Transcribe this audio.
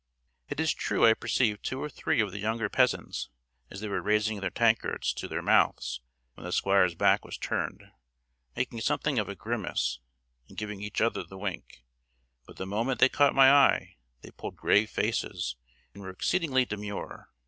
It is true I perceived two or three of the younger peasants, as they were raising their tankards to their mouths when the Squire's back was turned, making something of a grimace, and giving each other the wink; but the moment they caught my eye they pulled grave faces, and were exceedingly demure.